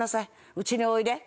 「うちにおいで。